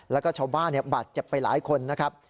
แล้วก็ชาวบ้านบาดเจ็บไปหลายคนนะครับ